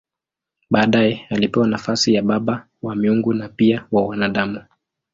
Baadaye alipewa nafasi ya baba wa miungu na pia wa wanadamu.